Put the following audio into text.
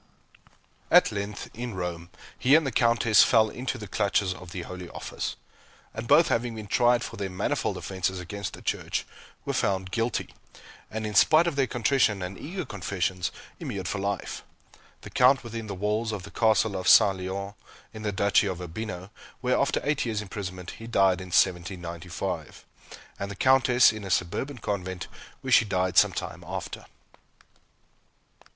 At length, in Rome, he and the Countess fell into the clutches of the Holy Office; and both having been tried for their manifold offences against the Church, were found guilty, and, in spite of their contrition and eager confessions, immured for life; the Count within the walls of the Castle of Sante Leone, in the Duchy of Urbino, where, after eight years' imprisonment, he died in 1795, and the Countess in a suburban convent, where she died some time after.